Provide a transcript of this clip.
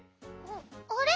あれ？